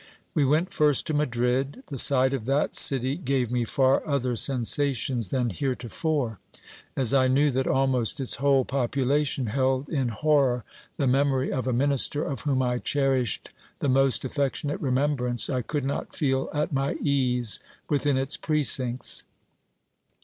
We went first to Madrid. The sight of that city gave me far other sensations than heretofore. As I knew that almost its whole population held in'horror the memory of a minister, of whom I cherished the most affectionate remembrance, I could not feel at my ease within its precincts.